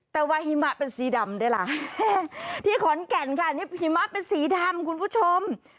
แต่ว่าหิมะเป็นสีดำด้วยล่ะที่ขอนแก่นค่ะนี่หิมะเป็นสีดำคุณผู้ชม